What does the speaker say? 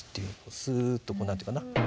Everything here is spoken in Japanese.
スっとこう何て言うのかな。